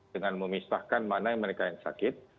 dengan memisahkan mana yang mereka yang sakit